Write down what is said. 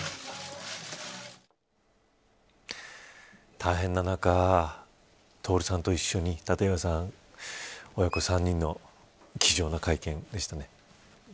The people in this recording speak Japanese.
大変な中徹さんと一緒に立岩さん、親子３人の気丈な会見でしたね。